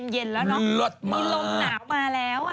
เย็นแล้วเนอะมีลมหนาวมาแล้ว